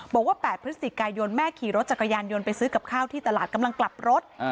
บอกว่า๘พฤศจิกายนแม่ขี่รถจักรยานยนต์ไปซื้อกับข้าวที่ตลาดกำลังกลับรถ